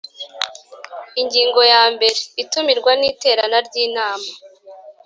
Ingingo ya mbere Itumirwa n iterana ry inama